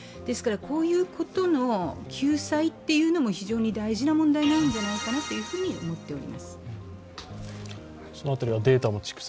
こういうことの救済というのも非常に大事な問題なんじゃないかなと思っております。